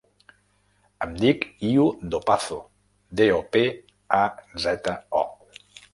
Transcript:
Em dic Iu Dopazo: de, o, pe, a, zeta, o.